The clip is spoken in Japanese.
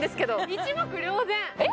一目瞭然！